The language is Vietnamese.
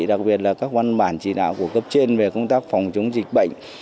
đặc biệt là các văn bản chỉ đạo của cấp trên về công tác phòng chống dịch bệnh